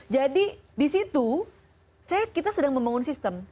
jadi di situ kita sedang membangun sistem